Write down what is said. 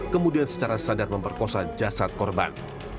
kemudian secara sadar memperkosa jasad korban